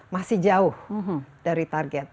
masih jauh dari target